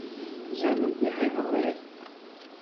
Tezham mliḥ iḍelli?